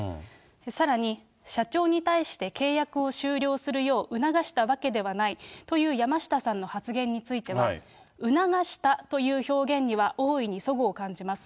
さらに、社長に対して契約を終了するよう促したわけではないという山下さんの発言については、促したという表現には大いにそごを感じます。